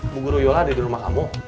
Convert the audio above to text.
bu guru yola ada di rumah kamu